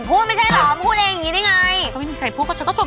ก็ดูดิดูลิกคนอะไรก็น่าสวย